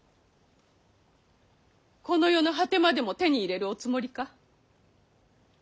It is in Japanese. この世の果てまでも手に入れるおつもりか？